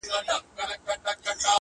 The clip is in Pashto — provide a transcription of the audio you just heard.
لا زر کلونه زرغونیږي ونه؛